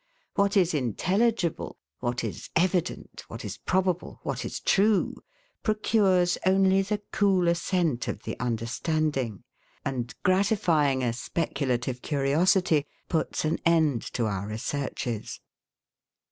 What is intelligible, what is evident, what is probable, what is true, procures only the cool assent of the understanding; and gratifying a speculative curiosity, puts an end to our researches.